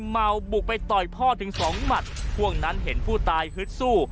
เหมาปลูกไปต่อยพ่อถึงสองมัดพวกนั้นเห็นผู้ไต้ฮึดสู้